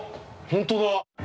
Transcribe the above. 本当だ！